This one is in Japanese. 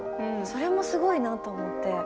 それもすごいなと思って。